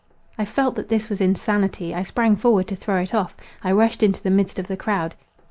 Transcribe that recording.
I felt that this was insanity—I sprang forward to throw it off; I rushed into the midst of the crowd.